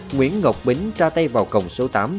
nguyễn ngọc bính ra tay vào cổng số tám